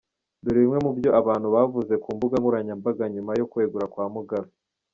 Dore bimwe mu byo abantu bavuze ku mbuga nkoranyambaga nyuma yo kwegura kwa Mugabe.